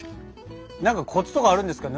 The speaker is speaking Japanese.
何かコツとかあるんですか？